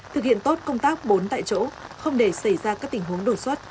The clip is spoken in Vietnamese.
thực hiện tốt công tác bốn tại chỗ không để xảy ra các tình huống đột xuất